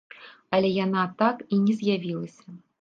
Але яна так і не з'явілася.